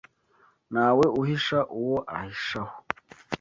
Ntawe uhisha uwo ahishaho